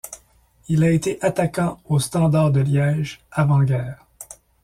Il a été attaquant au Standard de Liège, avant-guerre.